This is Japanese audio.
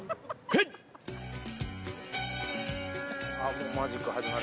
もうマジック始まる？